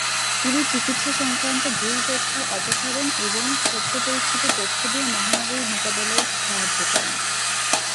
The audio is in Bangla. তিনি চিকিৎসা সংক্রান্ত ভুল তথ্য অপসারণ এবং সত্য-পরীক্ষিত তথ্য দিয়ে মহামারীর মোকাবেলায় সাহায্য করেন।